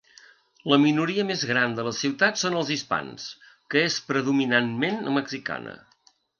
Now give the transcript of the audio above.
La minoria més gran de la ciutat són els hispans, que és predominantment mexicana.